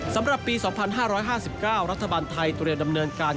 สำหรับปี๒๕๕๙รัฐบาลไทยเตรียมดำเนินการ